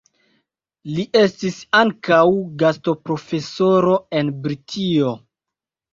Li estis ankaŭ gastoprofesoro en Britio.